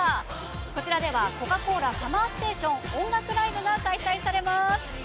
こちらではコカ・コーラＳＵＭＭＥＲＳＴＡＴＩＯＮ音楽ＬＩＶＥが開催されます。